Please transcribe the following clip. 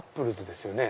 ですよね？